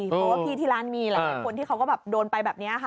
เพราะว่าพี่ที่ร้านมีหลายคนที่เขาก็แบบโดนไปแบบนี้ค่ะ